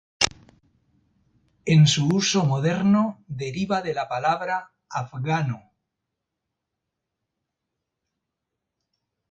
En su uso moderno deriva de la palabra afgano.